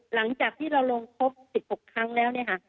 หลังจากที่เราลงครบ๑๖ครั้งแล้วเนี่ยค่ะ